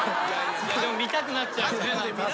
でも見たくなっちゃう。